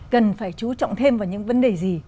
cần phải chú trọng thêm vào những vấn đề gì